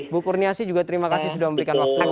bu kurniasi juga terima kasih sudah memberikan waktu